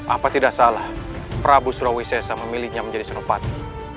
apa tidak salah prabu surawi sesa memilihnya menjadi senopati